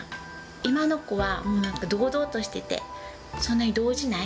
今の子は、堂々としてて、そんなに動じない。